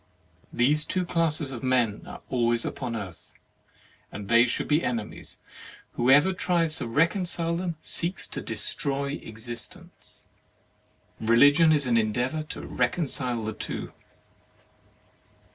These two classes of men are always upon earth, and they should be ene mies: whoever tries to reconcile them seeks to destroy existence. Religion is an endeavour to recon cile the two.